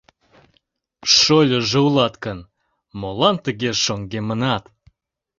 Шольыжо улат гын, молан тыге шоҥгемынат?